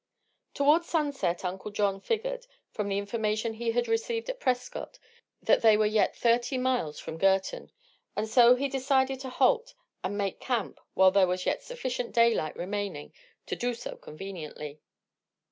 Toward sunset Uncle John figured, from the information he had received at Prescott, that they were yet thirty miles from Gerton, and so he decided to halt and make camp while there was yet sufficient daylight remaining to do so conveniently.